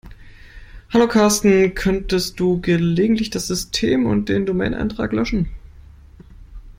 Hallo Carsten, könntest du gelegentlich das System und den Domain-Eintrag löschen?